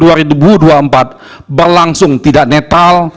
dan mengatakan bahwa pemilu dua ribu dua puluh empat berlangsung tidak netral